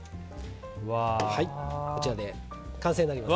こちらで完成になります。